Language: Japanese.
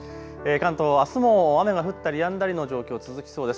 関東はあすも雨が降ったりやんだりの状況、続きそうです。